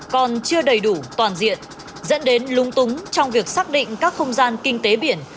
còn chưa đầy đủ toàn diện dẫn đến lúng túng trong việc xác định các không gian kinh tế biển